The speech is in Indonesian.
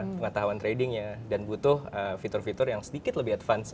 pengetahuan tradingnya dan butuh fitur fitur yang sedikit lebih advance